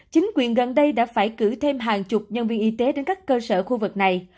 chính quyền gần đây đã phải cử thêm hàng chục nhân viên y tế đến các cơ sở khu vực này